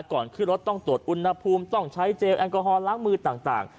ก่อนขึ้นรถต้องตรวจอุณหภูมิต้องใช้เจลแอลกอฮอลล้างมือต่าง